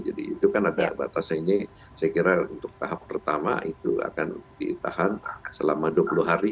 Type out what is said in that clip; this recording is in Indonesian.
jadi itu kan ada batasnya ini saya kira untuk tahap pertama itu akan ditahan selama dua puluh hari